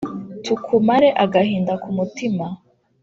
tukumare agahinda ku mutima